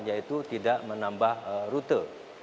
yaitu tidak menambah rute